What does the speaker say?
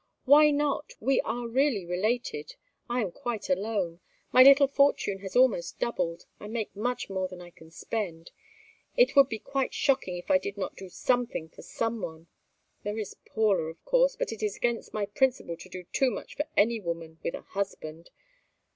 "Why not? We are really related. I am quite alone. My little fortune has almost doubled. I make much more than I can spend. It would be quite shocking if I did not do something for some one there is Paula of course, but it is against my principle to do too much for any woman with a husband.